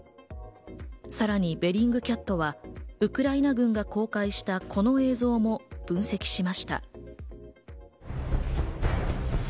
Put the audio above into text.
さらにベリングキャットはウクライナ軍が公開したこの映像も分析しました。